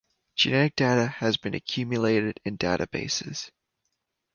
Genetic data has been accumulated in databases.